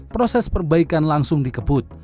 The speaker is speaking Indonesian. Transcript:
proses perbaikan langsung dikeput